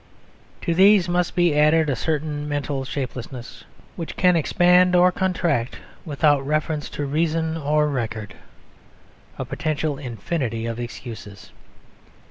To these must be added a certain mental shapelessness which can expand or contract without reference to reason or record; a potential infinity of excuses.